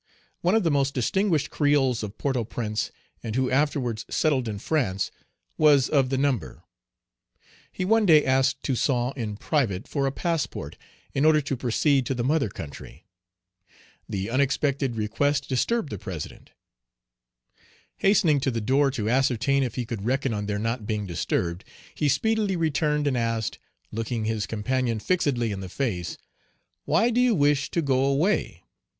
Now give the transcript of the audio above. One of the most distinguished creoles of Port au Prince, and who afterwards settled in France, was of the number. He one day asked Toussaint in private for a passport, in order to proceed to the mother country. The unexpected request disturbed the President. Hastening to the door, to ascertain if he could reckon on their not being disturbed, he speedily returned and asked, looking his companion fixedly in the face, "Why do you wish to go away?